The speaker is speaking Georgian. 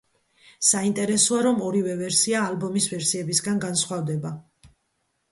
საინტერესოა, რომ ორივე ვერსია ალბომის ვერსიებისგან განსხვავდება.